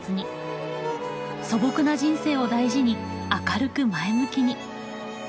素朴な人生を大事に明るく前向きに。